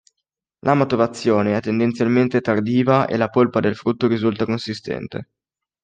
La maturazione è tendenzialmente tardiva e la polpa del frutto risulta consistente.